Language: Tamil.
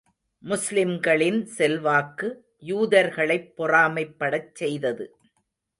முஸ்லிம்களின் செல்வாக்கு, யூதர்களைப் பொறாமைப் படச் செய்தது.